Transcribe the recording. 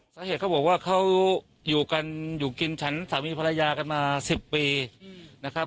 เขาบอกว่าเขาอยู่กันอยู่กินฉันสามีภรรยากันมา๑๐ปีนะครับ